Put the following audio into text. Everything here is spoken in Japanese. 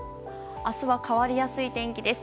明日は変わりやすい天気です。